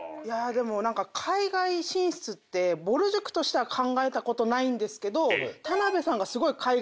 海外進出ってぼる塾としては考えたことないんですけど。